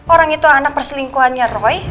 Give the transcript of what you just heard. orang itu anak perselingkuhannya roy